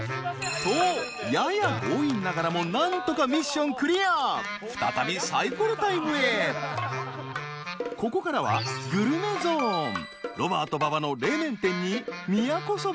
とやや強引ながらも何とかミッションクリア再びサイコロタイムへここからはグルメゾーンロバート馬場の冷麺店に宮古そば